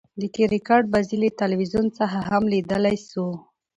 د کرکټ بازۍ له تلویزیون څخه هم ليدلاى سو.